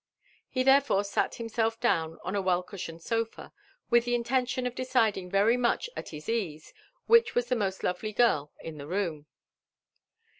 He therefore sat himself down on a well cushioned sofa, with the intention of deciding .very much at bis ease which was the most lovely girl tn th^ room.